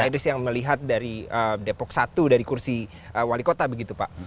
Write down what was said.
pak idris yang melihat dari depok satu dari kursi wali kota begitu pak